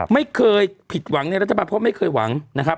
ไม่เคยผิดหวังในรัฐบาลเพราะไม่เคยหวังนะครับ